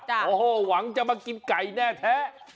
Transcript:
โอ้โหหวังจะมากินไก่แน่แท้